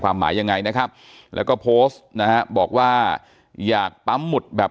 หมายยังไงนะครับแล้วก็โพสต์นะฮะบอกว่าอยากปั๊มหุดแบบ